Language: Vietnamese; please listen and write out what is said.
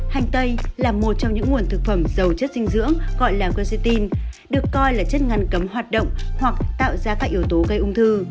hành tây là một trong những nguồn thực phẩm dầu chất dinh dưỡng gọi là gratine được coi là chất ngăn cấm hoạt động hoặc tạo ra các yếu tố gây ung thư